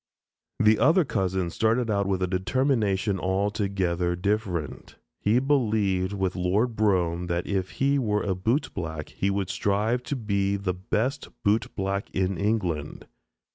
The other cousin started out with a determination altogether different. He believed with Lord Brougham, that if he were a bootblack he would strive to be the best bootblack in England.